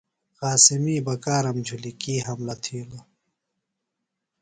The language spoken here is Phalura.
قاسمی بکارم جُھلیۡ کی حملہ تِھیلوۡ؟